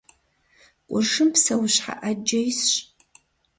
Къуршым псэущхьэ Ӏэджэ исщ.